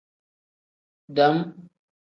Dam.